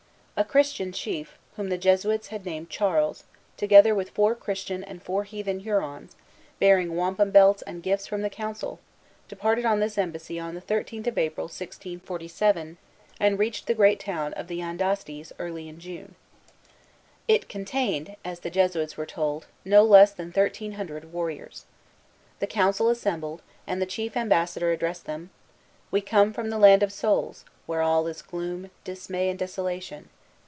A Christian chief, whom the Jesuits had named Charles, together with four Christian and four heathen Hurons, bearing wampum belts and gifts from the council, departed on this embassy on the thirteenth of April, 1647, and reached the great town of the Andastes early in June. It contained, as the Jesuits were told, no less than thirteen hundred warriors. The council assembled, and the chief ambassador addressed them: "We come from the Land of Souls, where all is gloom, dismay, and desolation.